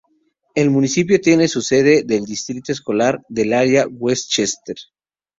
El municipio tiene la sede del Distrito Escolar del Área de West Chester.